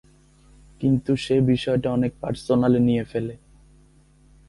কিন্তু সে বিষয়টা অনেক পার্সোনালি নিয়ে ফেলে।